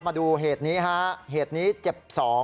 มาดูเหตุนี้ฮะเหตุนี้เจ็บ๒